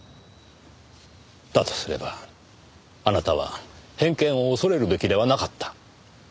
だとすればあなたは偏見を恐れるべきではなかった。